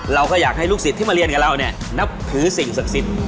เราก็อยากให้ลูกศิษย์ที่มาเรียนกับเราเนี่ยนับถือสิ่งศักดิ์สิทธิ์